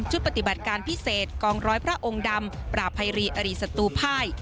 ปฏิบัติการพิเศษกองร้อยพระองค์ดำปราบภัยรีสัตรูภาย